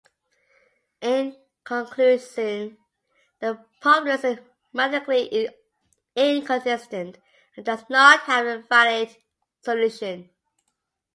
In conclusion, the problem is mathematically inconsistent and does not have a valid solution.